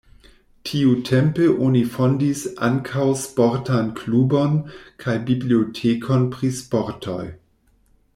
Tiutempe oni fondis ankaŭ sportan klubon kaj bibliotekon pri sportoj.